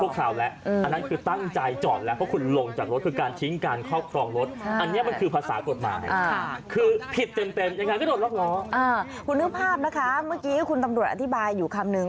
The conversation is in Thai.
คุณนึกภาพนะคะเมื่อกี้คุณตำรวจอธิบายอยู่คำนึง